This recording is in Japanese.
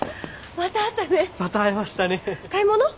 また会いましたね。